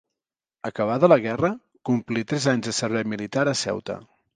Acabada la guerra, complí tres anys de servei militar a Ceuta.